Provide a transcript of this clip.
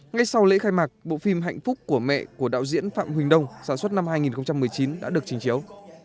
ngay sau lễ khai mạc bộ phim hạnh phúc của mẹ của đạo diễn phạm huỳnh đông sản xuất năm hai nghìn một mươi chín đã được trình chiếu